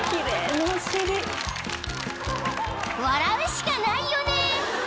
［笑うしかないよね］